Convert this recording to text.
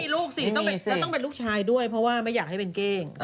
ลูกสิแล้วต้องเป็นลูกชายด้วยเพราะว่าไม่อยากให้เป็นเก้ง